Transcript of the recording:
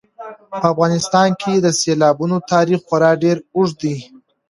په افغانستان کې د سیلابونو تاریخ خورا ډېر اوږد دی.